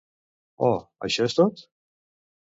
Oh, això és tot?